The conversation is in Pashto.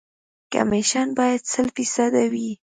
کمپکشن باید سل فیصده وي